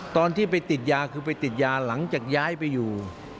ตอนที่ไปติดยาคือไปติดยาหลังจากย้ายไปอยู่